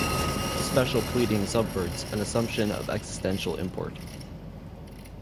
Special pleading subverts an assumption of existential import.